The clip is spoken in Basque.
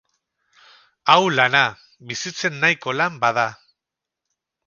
Hau lana! Bizitzen nahiko lan bada.